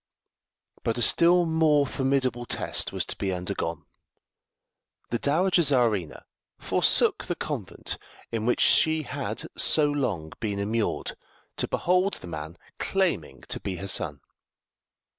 But a still more formidable test was to be undergone. The Dowager Czarina forsook the convent in which she had so long been immured to behold the man claiming to be her son.